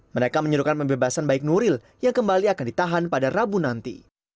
mereka menyuruhkan pembebasan baik nuril yang kembali akan ditahan pada rabu nanti